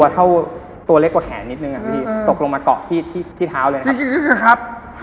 ตัวเล็กกว่าแขนนิดหนึ่งครับพี่ตกลงมากรอกที่เท้าเลยครับ